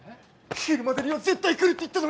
昼までには絶対来るって言ったのに。